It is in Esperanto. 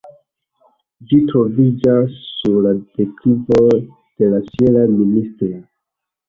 Ĝi troviĝas sur la deklivoj de la sierra Ministra.